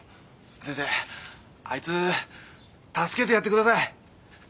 先生あいつ助けてやって下さい。